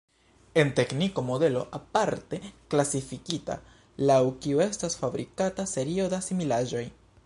En tekniko modelo, aparte klasifikita, laŭ kiu estas fabrikata serio da similaĵoj.